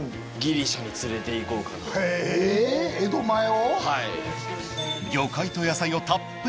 江戸前を？